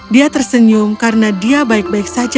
dia tersenyum karena dia baik baik saja